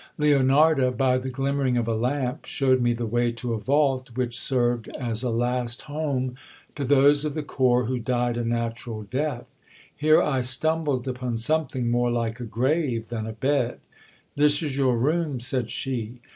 Leonarda, by the glimmering of a lamp, showed me the way to a vault which served as a last home to those of the corps who died a natural death. Here I stumbled upon something more like a grave than a bed. This is your room, said she.